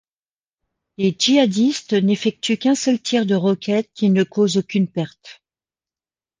Les djihadistes n'effectuent qu'un seul tir de roquette qui ne cause aucune perte.